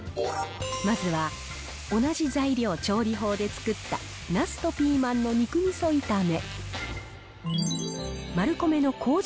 まずは、同じ材料、調理法で作った、ナスとピーマンの肉みそ炒め。